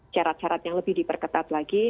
syarat syarat yang lebih diperketat lagi